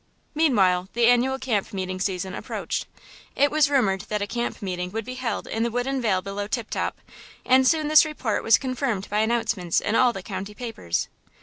Meanwhile the annual camp meeting season approached. It was rumored that a camp meeting would be held in the wooded vale below Tip Top, and soon this report was confirmed by announcements in all the county papers.